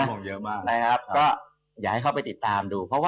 ก็อย่าให้เข้าไปติดตามดู